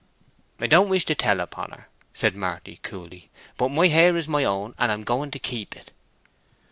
"I don't wish to tell upon her," said Marty, coolly. "But my hair is my own, and I'm going to keep it."